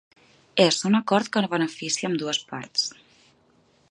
És un acord que beneficia ambdues parts.